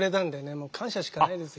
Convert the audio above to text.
もう感謝しかないですよ。